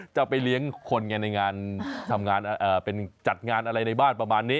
จะไปเลี้ยงคนไงในงานทำงานเป็นจัดงานอะไรในบ้านประมาณนี้